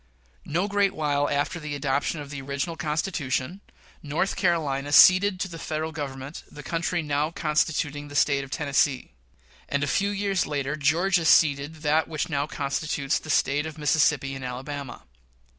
No great while after the adoption of the original Constitution, North Carolina ceded to the Federal Government the country now constituting the State of Tennessee; and, a few years later, Georgia ceded that which now constitutes the States of Mississippi and Alabama.